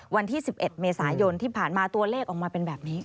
วันที่๑๑เมษายนที่ผ่านมาตัวเลขออกมาเป็นแบบนี้